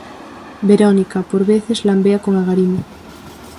Verónica, por veces, lámbea con agarimo.